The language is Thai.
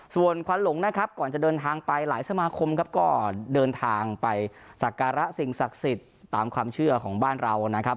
ส่วนควันหลงนะครับก่อนจะเดินทางไปหลายสมาคมครับก็เดินทางไปสักการะสิ่งศักดิ์สิทธิ์ตามความเชื่อของบ้านเรานะครับ